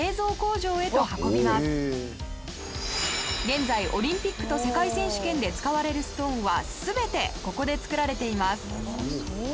現在オリンピックと世界選手権で使われるストーンは全てここで作られています。